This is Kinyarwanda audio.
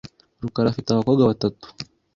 rukara afite abakobwa batatu .